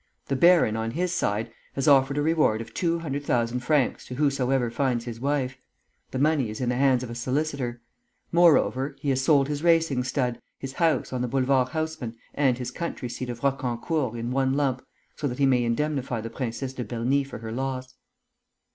The baron, on his side, has offered a reward of two hundred thousand francs to whosoever finds his wife. The money is in the hands of a solicitor. Moreover, he has sold his racing stud, his house on the Boulevard Haussmann and his country seat of Roquencourt in one lump, so that he may indemnify the Princesse de Berny for her loss."